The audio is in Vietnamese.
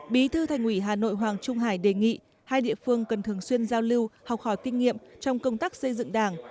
bí thư thành ủy hà nội hoàng trung hải đề nghị hai địa phương cần thường xuyên giao lưu học hỏi kinh nghiệm trong công tác xây dựng đảng